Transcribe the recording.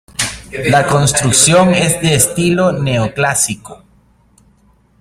La construcción es de estilo neoclásico.